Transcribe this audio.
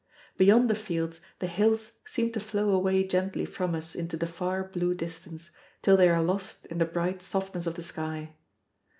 Beyond the fields the hills seem to flow away gently from us into the far blue distance, till they are lost in the bright softness of the sky.